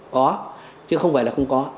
có chứ không phải là không có